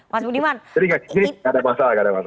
jadi gak ada masalah